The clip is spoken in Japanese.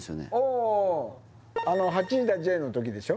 おお「８時だＪ」の時でしょ？